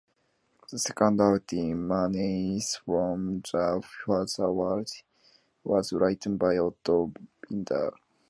The second outing, "Menace From the Future World", was written by Otto Binder.